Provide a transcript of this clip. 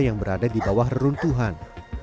yang berada di bawah reruntuhan